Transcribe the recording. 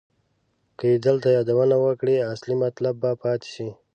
که یې دلته یادونه وکړم اصلي مطلب به پاتې شي.